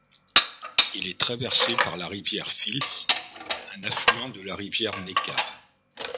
Il est traversé par la rivière Fils, un affluent de la rivière Neckar.